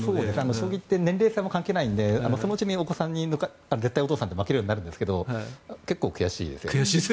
将棋って年齢差も関係ないのでそのうちお子さんにお父さんって絶対に負けるようになるんですが結構悔しいですよ。